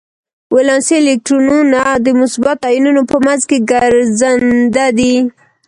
ولانسي الکترونونه د مثبتو ایونونو په منځ کې ګرځننده دي.